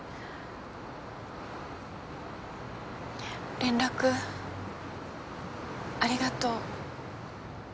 連絡ありがとう。